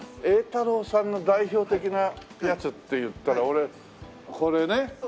榮太樓さんの代表的なやつっていったら俺これね。